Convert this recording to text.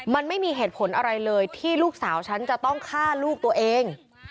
มันไม่มีเหตุผลอะไรเลยที่ลูกสาวฉันจะต้องฆ่าลูกตัวเอง